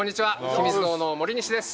ひみつ堂の森西です。